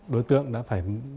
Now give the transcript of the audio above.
đối tượng đã phải